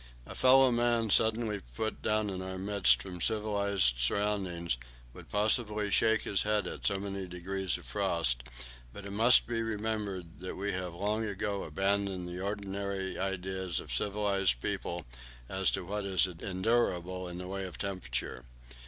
A fellow man suddenly put down in our midst from civilized surroundings would possibly shake his head at so many degrees of frost, but it must be remembered that we have long ago abandoned the ordinary ideas of civilized people as to what is endurable in the way of temperature.